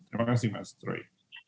terima kasih mas troy